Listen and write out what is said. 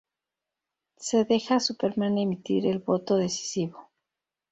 Se deja a Superman emitir el voto decisivo.